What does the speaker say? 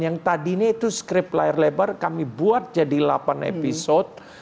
yang tadinya itu script layar lebar kami buat jadi delapan episode